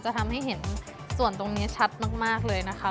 ทำให้เห็นส่วนตรงนี้ชัดมากเลยนะคะ